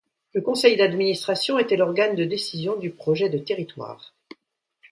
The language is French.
Le conseil d'administration était l'organe de décision du projet de territoire.